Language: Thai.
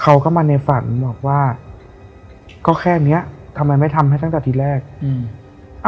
เขาก็มาในฝันบอกว่าก็แค่เนี้ยทำไมไม่ทำให้ตั้งแต่ที่แรกอืม